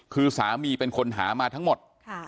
คือสามีเป็นคนหามาทั้งหมด